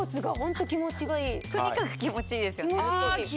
とにかく気持ちいいですよね。